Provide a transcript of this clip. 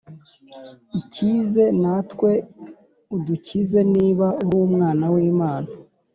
ikize natwe udukize niba urumwan w’imana